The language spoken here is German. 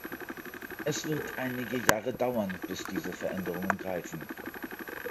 Es wird einige Jahre dauern, bis diese Veränderungen greifen.